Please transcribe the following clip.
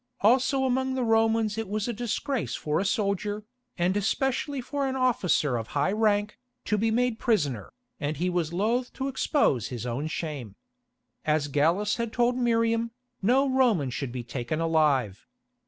Also among the Romans it was a disgrace for a soldier, and especially for an officer of high rank, to be made prisoner, and he was loth to expose his own shame. As Gallus had told Miriam, no Roman should be taken alive.